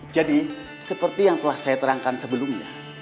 jadi seperti yang telah saya terangkan sebelumnya